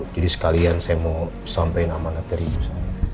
jadi sekalian saya mau sampein amanat dari ibu sama